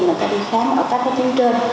người ta đi khám ở các cái tướng trên